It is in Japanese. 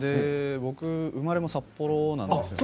生まれも札幌なんですね。